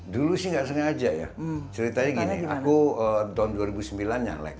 dulu sih nggak sengaja ya ceritanya gini aku down dua ribu sembilan nyalek